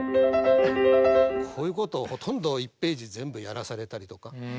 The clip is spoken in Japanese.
こういうことをほとんど１ページ全部やらされたりとか。